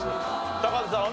高畑さん